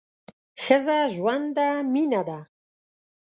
ښځه ژوند ده ، مینه ده